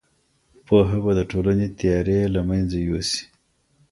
پوهه به د ټولني تیارې له منځه یوسي.